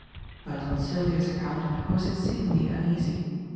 But on Sylvia's account I was exceedingly uneasy.